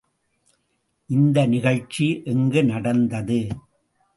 இந்த நிகழ்ச்சி எங்கு நடந்தது?